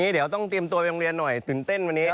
เดี๋ยวต้องเตรียมตัวไปโรงเรียนหน่อยตื่นเต้นวันนี้